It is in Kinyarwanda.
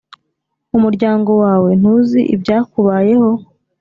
umuryango wawe ntuzi ibyakubayeho?"